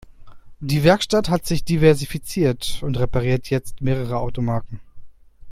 Die Werkstatt hat sich diversifiziert und repariert jetzt mehrere Automarken.